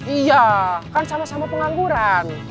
iya kan sama sama pengangguran